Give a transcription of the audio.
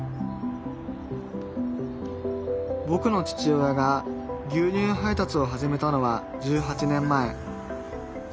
ぼくの父親が牛乳配達を始めたのは１８年前。